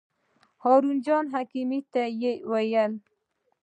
هارون جان حکیمي ته یې وویل.